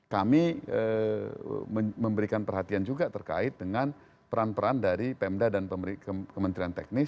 kami memberikan perhatian juga terkait dengan peran peran dari pemda dan kementerian teknis